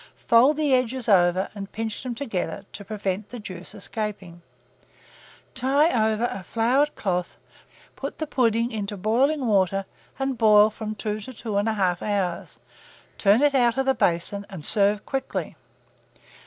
Fold the edges over, and pinch them together, to prevent the juice escaping. Tie over a floured cloth, put the pudding into boiling water, and boil from 2 to 2 1/2 hours. Turn it out of the basin, and serve quickly.